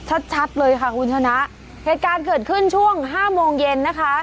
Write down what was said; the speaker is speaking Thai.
ชัดชัดเลยค่ะคุณชนะเหตุการณ์เกิดขึ้นช่วงห้าโมงเย็นนะคะ